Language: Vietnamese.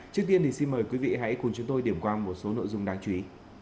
trước tiên thì xin mời quý vị hãy cùng chúng tôi điểm qua một số nội dung đáng chú ý